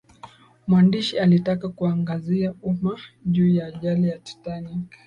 mwandishi alitaka kuangazia umma juu ya ajali ya titanic